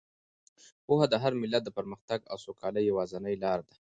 پوهه د هر ملت د پرمختګ او سوکالۍ یوازینۍ لاره ده.